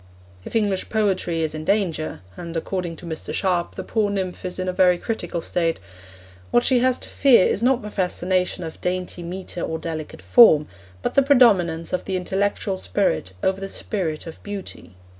If English Poetry is in danger and, according to Mr. Sharp, the poor nymph is in a very critical state what she has to fear is not the fascination of dainty metre or delicate form, but the predominance of the intellectual spirit over the spirit of beauty.